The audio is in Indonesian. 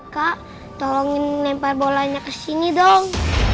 kak tolongin lempar bolanya kesini dong